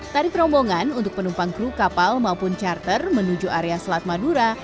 tarif rombongan untuk penumpang kru kapal maupun charter menuju area selat madura